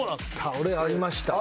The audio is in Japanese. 俺ありました。